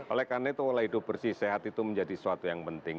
oleh karena itu pola hidup bersih sehat itu menjadi sesuatu yang penting